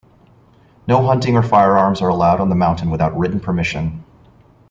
No hunting or firearms are allowed on the mountain without written permission.